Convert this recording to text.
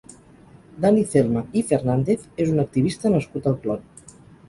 Dani Celma i Fernàndez és un activista nascut al Clot.